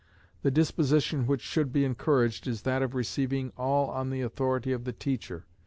The disposition which should be encouraged is that of receiving all on the authority of the teacher.